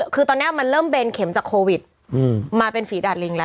คือตอนนี้มันเริ่มเบนเข็มจากโควิดมาเป็นฝีดาดลิงแล้ว